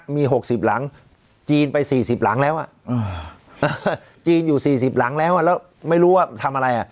มี๖๐หลังจีนไป๔๐หลังแล้วจีนอยู่๔๐หลังแล้วแล้วไม่รู้ว่าทำอะไร